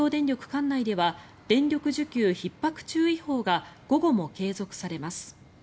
管内では電力需給ひっ迫注意報が午後も継続されます。